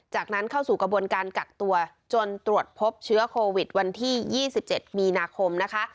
จากนั้นเข้าสู่กระบวนการกักตัวจนตรวจพบเชื้อโควิดวันที่๒๗มีนาคมนะคะ